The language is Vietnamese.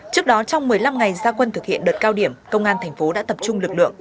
trước đó trong một mươi năm ngày gia quân thực hiện đợt cao điểm công an thành phố đã tập trung lực lượng